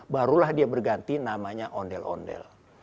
barulah dia berganti namanya ondel ondel